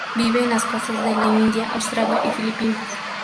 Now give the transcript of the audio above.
Vive en las costas de la India, Australia, y Filipinas.